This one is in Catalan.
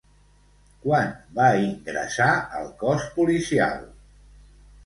Quan va ingressar al cos policial?